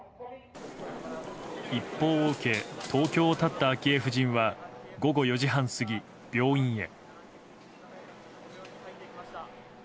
一報を受け東京を発った昭恵夫人は午後４時半過ぎ、病院へ。